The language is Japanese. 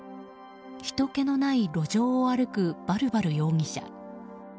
ひとけのない路上を歩くバルバル容疑者。